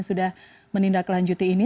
sudah menindaklanjuti ini